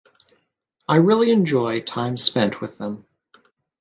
I really enjoy time spent with them.